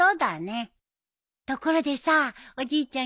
ところでさおじいちゃん